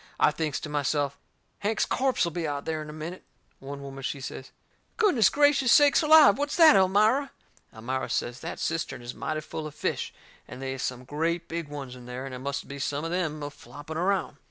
I thinks to myself, Hank's corpse'll be out of there in a minute. One woman, she says: "Goodness gracious sakes alive! What's that, Elmira?" Elmira says that cistern is mighty full of fish, and they is some great big ones in there, and it must be some of them a flopping around.